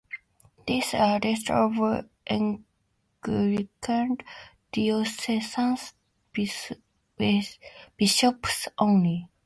This is a list of Anglican Diocesan Bishops only.